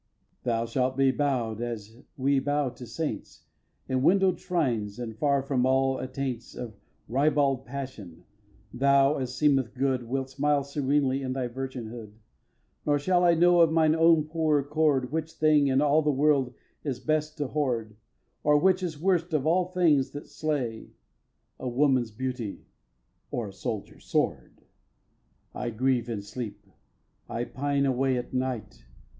xvii. Thou shalt be bow'd to as we bow to saints In window'd shrines; and, far from all attaints Of ribald passion, thou, as seemeth good, Wilt smile serenely in thy virginhood. Nor shall I know, of mine own poor accord, Which thing in all the world is best to hoard, Or which is worst of all the things that slay: A woman's beauty or a soldier's sword. xviii. I grieve in sleep. I pine away at night.